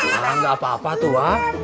malah nggak apa apa tua